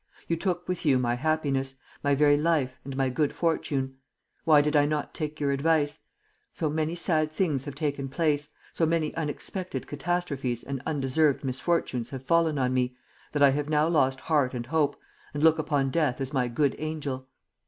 You took with you my happiness, my very life, and my good fortune. Why did I not take your advice? So many sad things have taken place, so many unexpected catastrophes and undeserved misfortunes have fallen on me, that I have now lost heart and hope, and look upon death as my good angel.